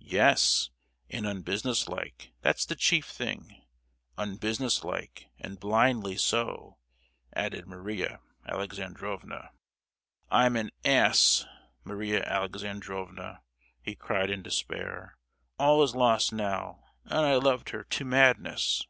"Yes, and unbusinesslike, that's the chief thing—unbusinesslike, and blindly so!" added Maria Alexandrovna. "I'm an ass! Maria Alexandrovna," he cried in despair. "All is lost now, and I loved her to madness!"